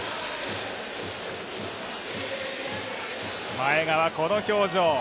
前川、この表情。